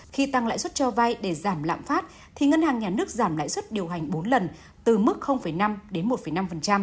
khi tăng lãi suất cho vay để giảm lạm phát thì ngân hàng nhà nước giảm lãi suất điều hành bốn lần từ mức năm đến một năm